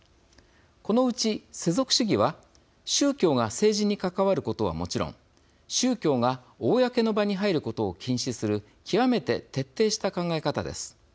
このうち、世俗主義は宗教が政治に関わることはもちろん宗教が公の場に入ることを禁止する極めて徹底した考え方です。